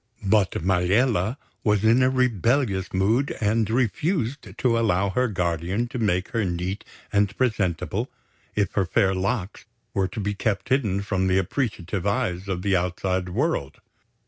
But Maliella was in a rebellious mood and refused to allow her guardian to make her neat and presentable if her fair looks were to be kept hidden from the appreciative eyes of the outside world.